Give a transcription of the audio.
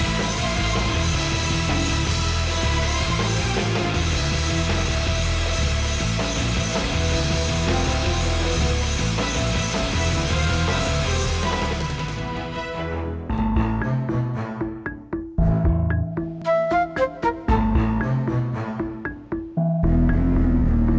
langsung aja kemana ini